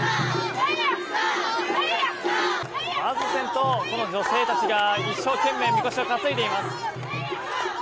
まず先頭、この女性たちが一生懸命みこしを担いでいます。